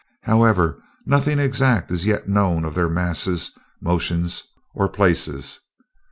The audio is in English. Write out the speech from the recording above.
However, nothing exact is yet known of their masses, motions, or places.